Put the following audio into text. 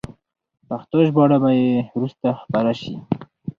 پښتو ژباړه به یې وروسته خپره شي.